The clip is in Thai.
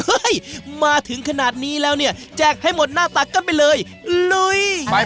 มาถึงขนาดนี้แล้วเนี่ยแจกให้หมดหน้าตักกันไปเลยลุยไป